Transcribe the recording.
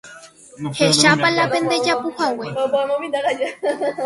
Hechápa la pendejapuhague